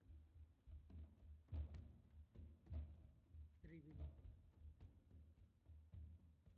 Está muy unida a su abuela, y siempre la está citando.